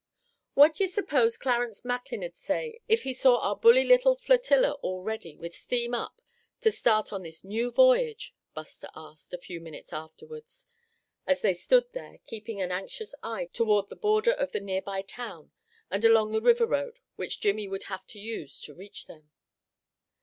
"What d'ye suppose Clarence Macklin'd say if he saw our bully little flotilla all ready, with steam up, to start on this new voyage?" Buster asked, a few minutes afterwards, as they stood there, keeping an anxious eye toward the border of the near by town, and along the river road which Jimmie would have to use to reach them.